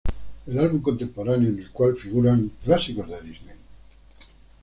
El álbum contemporáneo en el cual figuran clásicos de Disney.